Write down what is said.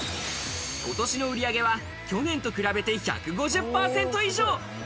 今年の売り上げは去年と比べて１５０％以上。